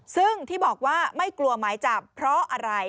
ซึ่งที่บอกว่าไม่กลัวหมายจับเพราะอะไร